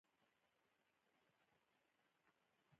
د دې ژورنال مقالې ډیرې حواله کیږي.